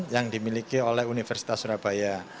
yang dimiliki oleh universitas surabaya